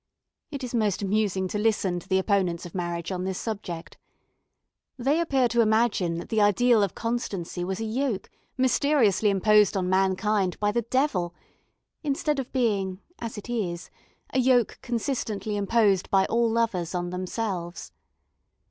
It is most amusing to listen to the opponents of marriage on this subject. They appear to imagine that the ideal of constancy was a yoke mysteriously imposed on mankind by the devil, instead of being, as it is, a yoke consistently imposed by all lovers on themselves.